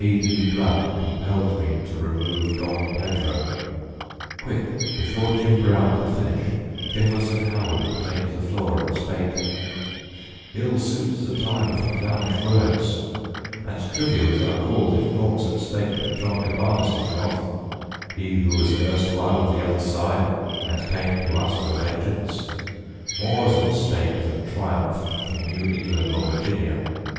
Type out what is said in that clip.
D. Blood Compelled me to remove Dom Pedro—" Quick Before Jim Brown could finish, Jefferson Howard Obtained the floor and spake: "Ill suits the time For clownish words, and trivial is our cause If naught's at stake but John Cabanis, wrath, He who was erstwhile of the other side And came to us for vengeance. More's at stake Than triumph for New England or Virginia.